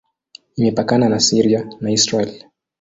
Imepakana na Syria na Israel.